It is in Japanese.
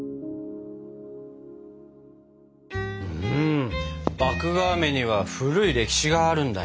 うん麦芽あめには古い歴史があるんだね。